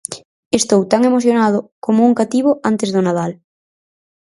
Estou tan emocionado como un cativo antes do Nadal.